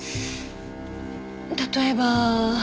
例えば。